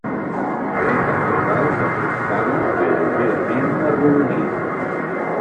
Aleta caudal de truncada a lleugerament arrodonida.